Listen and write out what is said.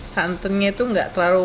santannya itu gak terlalu